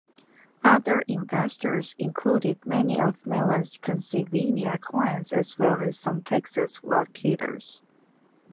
Other investors included many of Mellon's Pennsylvania clients as well as some Texas wildcatters.